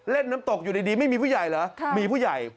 เล่นน้ำตกอยู่ดีไม่มีผู้ใหญ่เหรอมีผู้ใหญ่